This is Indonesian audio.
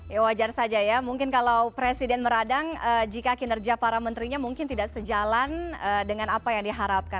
ya wajar saja ya mungkin kalau presiden meradang jika kinerja para menterinya mungkin tidak sejalan dengan apa yang diharapkan